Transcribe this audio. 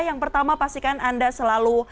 yang pertama pastikan anda selalu